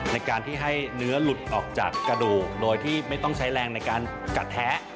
ในการที่ให้เนื้อหลุดออกจากกระดูกโดยที่ไม่ต้องใช้แรงในการกัดแท้